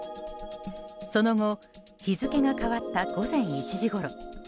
その後日付が変わった午前１時ごろ。